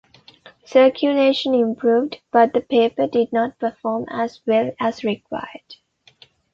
Circulation improved, but the paper did not perform as well as required.